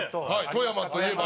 富山といえば。